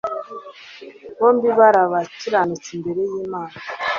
«bombi bari abakiranutsi imbere y'Imana».